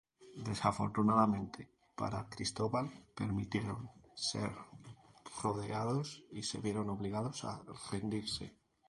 Desafortunadamente para Cristóbal, permitieron ser rodeados y se vieron obligados a rendirse.